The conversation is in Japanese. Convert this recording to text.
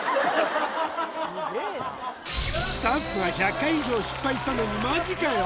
スタッフが１００回以上失敗したのにマジかよ